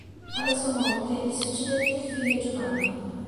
Alla sua morte gli succedette il figlio Giovanni.